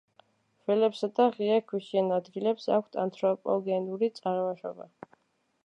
ველებსა და ღია ქვიშიან ადგილებს აქვთ ანთროპოგენური წარმოშობა.